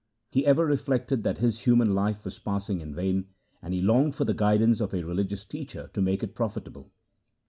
He ever reflected that his human life was passing in vain, and he longed for the guidance of a religious teacher to make it pro fitable.